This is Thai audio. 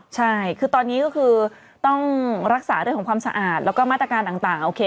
ใช่คือตอนนี้ก็คือต้องรักษาเรื่องของความสะอาดแล้วก็มาตรการต่างโอเค